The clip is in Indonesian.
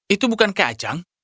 itu bukan kacang